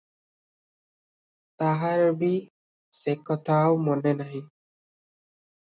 ତାହାର ବି ସେ କଥା ଆଉ ମନେ ନାହିଁ ।